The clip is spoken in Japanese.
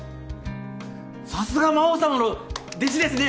さすが魔王様の弟子ですね。